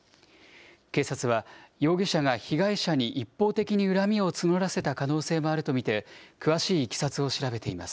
警察は容疑者が被害者に一方的に恨みを募らせた可能性もあると見て、詳しいいきさつを調べています。